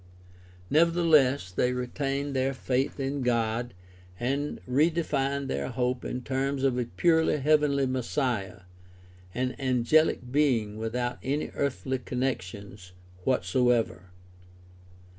Nevertheless they retained their faith in God and redefined their hope in terms of a purely heavenly Messiah, an angehc being without any earthly connections whatsoever.